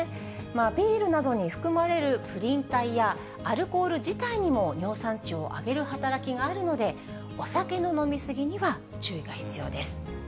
ビールなどに含まれるプリン体や、アルコール自体にも、尿酸値を上げる働きがあるので、お酒の飲み過ぎには注意が必要です。